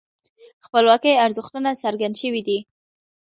د خپلواکۍ ارزښتونه څرګند شوي دي.